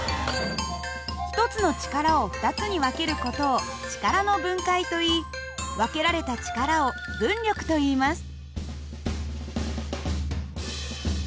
１つの力を２つに分ける事を力の分解といい分けられた力を分力といいます。